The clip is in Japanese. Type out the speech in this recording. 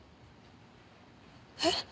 えっ？